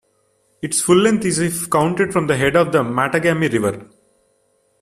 Its full length is if counted from the head of the Mattagami River.